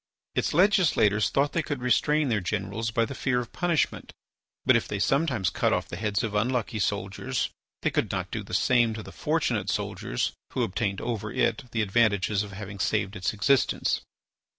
Its legislators thought they could restrain their generals by the fear of punishment, but if they sometimes cut off the heads of unlucky soldiers they could not do the same to the fortunate soldiers who obtained over it the advantages of having saved its existence.